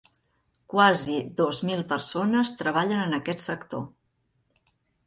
Quasi dos mil persones treballen en aquest sector.